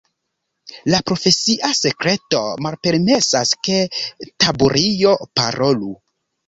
La profesia sekreto malpermesas, ke Taburio parolu.